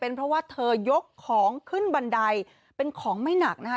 เพราะว่าเธอยกของขึ้นบันไดเป็นของไม่หนักนะคะ